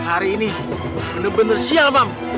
hari ini bener bener siap mam